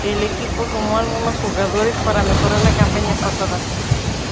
El equipo sumó algunos jugadores para mejorar la campaña pasada.